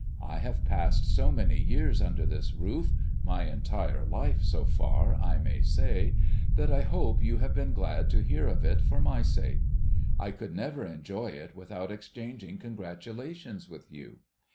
I have passed so many years under this roof — my entire hfe so far, I may say — that I hope you have been glad to hear of it for my sake. I could never enjoy it without exchanging congratulations with you.